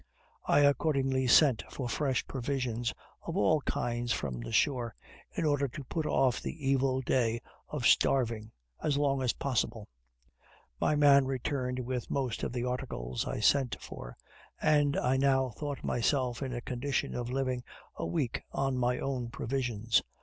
I accordingly sent for fresh provisions of all kinds from the shore, in order to put off the evil day of starving as long as possible. My man returned with most of the articles I sent for, and I now thought myself in a condition of living a week on my own provisions.